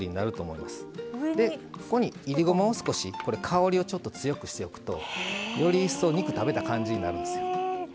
香りをちょっと強くしておくとより一層肉食べた感じになるんですよ。